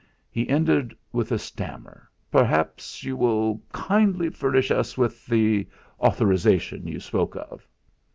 he ended with a stammer: "Perhaps you will kindly furnish us with the authorisation you spoke of?"